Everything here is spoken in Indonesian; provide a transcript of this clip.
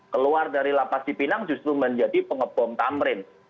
keluar dari lapas cipinang justru menjadi pengebom tamrin